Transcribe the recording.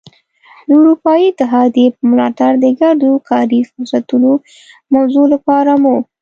د اروپايي اتحادیې په ملاتړ د ګډو کاري فرصتونو د موضوع لپاره مو.